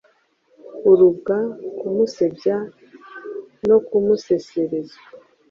urubwa, kumusebya no kumusesereza?